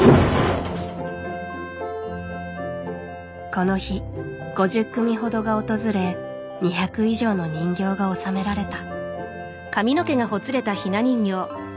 この日５０組ほどが訪れ２００以上の人形が納められた。